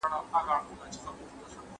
د پرمختګ په مخ کي کوم خنډونه دي؟